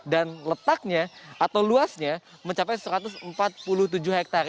dan letaknya atau luasnya mencapai satu ratus empat puluh tujuh hektare